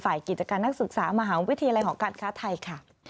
กิจการนักศึกษามหาวิทยาลัยหอการค้าไทยค่ะ